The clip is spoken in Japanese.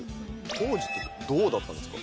当時ってどうだったんですか？